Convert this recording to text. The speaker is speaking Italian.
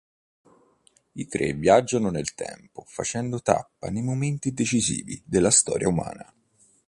I tre viaggiano nel tempo facendo tappa nei momenti decisivi della storia umana.